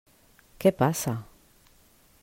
Què passa?